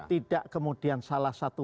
tidak kemudian salah satu